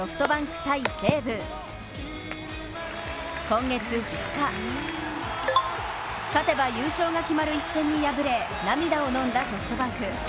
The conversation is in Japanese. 今月２日、勝てば優勝が決まる一戦に敗れ涙をのんだソフトバンク。